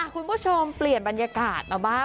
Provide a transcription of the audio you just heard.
คุณผู้ชมเปลี่ยนบรรยากาศมาบ้าง